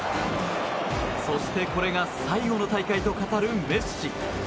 そしてこれが最後の大会と語るメッシ。